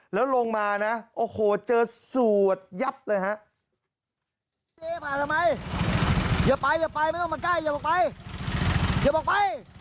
แล้วลงมานะโอ้โหเจอสวดยับเลยฮะ